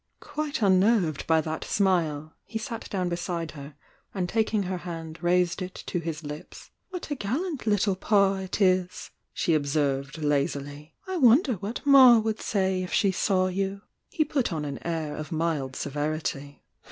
Quite unnerved by that smile, he sat down beside her and taking her hand raised it to his lips. "What a gallant little Pa it is!" she observed, laz Uy. "I wonder what 'Ma' would say if she saw you ! He put on an air of mild seventy.